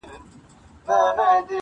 • مُغان زخمي دی مطرب ناښاده -